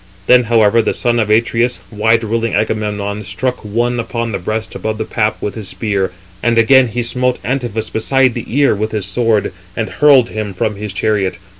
Then however the son of Atreus, wide ruling Agamemnon, struck one upon the breast above the pap with his spear; and again he smote Antiphus beside the ear with his sword, and hurled him from his chariot.